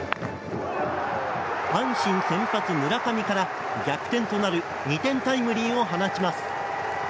阪神先発、村上から逆転となる２点タイムリーを放ちます。